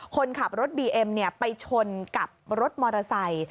คนขับรถบีเอ็มไปชนกับรถมอเตอร์ไซค์